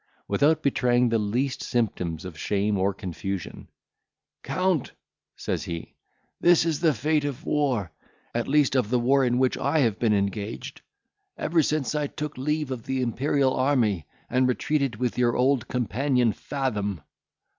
Without betraying the least symptoms of shame or confusion, "Count," says he, "this is the fate of war, at least of the war in which I have been engaged, ever since I took leave of the Imperial army, and retreated with your old companion Fathom.